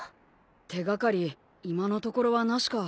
手掛かり今のところはなしか。